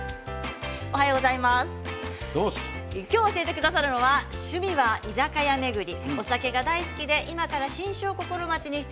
今日、教えてくださるのは趣味は居酒屋巡り。